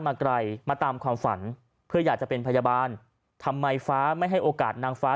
มาไกลมาตามความฝันเพื่ออยากจะเป็นพยาบาลทำไมฟ้าไม่ให้โอกาสนางฟ้า